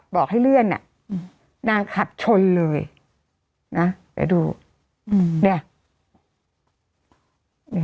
บอกให้เลื่อนน่ะอืมนางขับชนเลยน่ะไปดูอืมเนี่ย